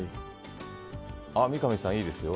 三上さん、いいですよ。